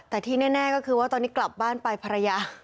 แต่ที่แน่ก็คือว่าตอนนี้กลับบ้านไปภรรยา